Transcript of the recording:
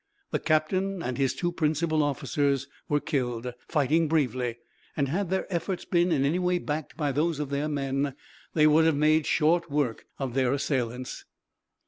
The captain and his two principal officers were killed, fighting bravely; and had their efforts been in any way backed by those of their men, they would have made short work of the assailants.